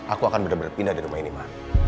aku akan bener bener pindah dari rumah ini ma